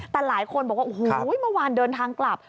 แต่หลายคนบอกว่าโอ้โหเมื่อวานเดินทางกลับ